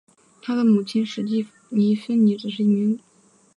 他的母亲史蒂芬妮则是名的员工。